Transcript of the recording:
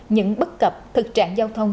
những bất cập thực trạng giao thông